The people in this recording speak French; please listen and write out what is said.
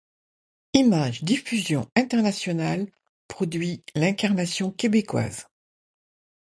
Image Diffusion International produit l'incarnation québécoise.